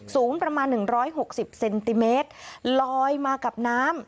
สูงประมาณ๑๖๐เซนติเมตรลอยมากับน้ำ